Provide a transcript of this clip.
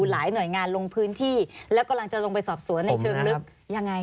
หลายหน่วยงานลงพื้นที่แล้วกำลังจะลงไปสอบสวนในเชิงลึกยังไง